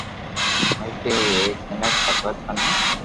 ملتي ھوئي ايڪ مينک ڀگت ڪنو